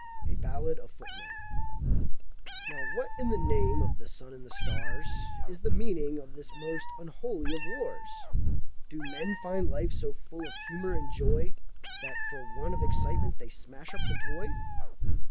A Ballad of Footmen Now what in the name of the sun and the stars Is the meaning of this most unholy of wars? Do men find life so full of humour and joy That for want of excitement they smash up the toy?